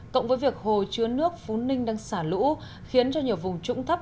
cộng với việc hồ chứa nước phú ninh đang xả lũ khiến cho nhiều vùng trũng thấp